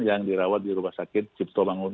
yang dirawat di rumah sakit ciptomangun